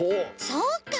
そうか！